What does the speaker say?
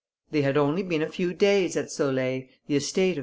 They had only been a few days at Saulaye, the estate of M.